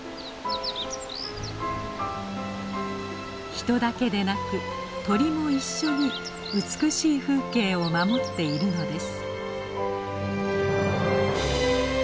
人だけでなく鳥も一緒に美しい風景を守っているのです。